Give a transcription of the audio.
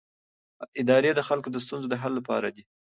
ادارې د خلکو د ستونزو د حل لپاره دي